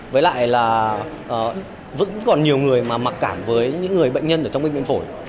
với lại là vẫn còn nhiều người mà mặc cảm với những người bệnh nhân ở trong bệnh viện phổi